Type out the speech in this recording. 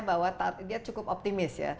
bahwa dia cukup optimis ya